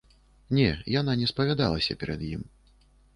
Не, яна не спавядалася перад ім.